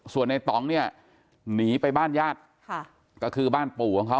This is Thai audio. ส่วนในต่องเนี่ยหนีไปบ้านญาติค่ะก็คือบ้านปู่ของเขา